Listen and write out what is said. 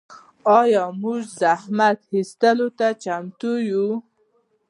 آیا موږ زحمت ایستلو ته چمتو یو؟